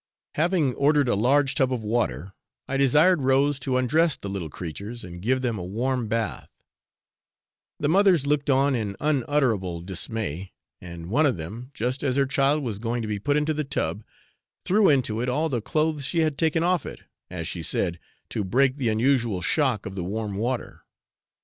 Having ordered a large tub of water, I desired Rose to undress the little creatures and give them a warm bath; the mothers looked on in unutterable dismay, and one of them, just as her child was going to be put into the tub, threw into it all the clothes she had just taken off it, as she said, to break the unusual shock of the warm water.